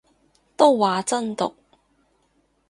都話真毒